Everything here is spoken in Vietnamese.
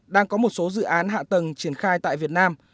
đang có một số dự án hạ tầng triển khai tại việt nam